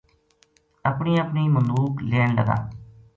اپنی اپنی مدوک لین لگا